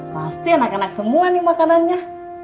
pasti anak anak semua nih makanannya